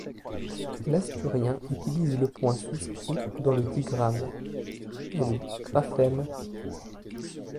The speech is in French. L'asturien utilise le point souscrit dans le digramme ḷḷ et le graphème ḥ.